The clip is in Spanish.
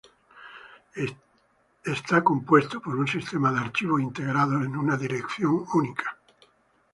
Está compuesto por un sistema de archivos, integrados en una dirección única.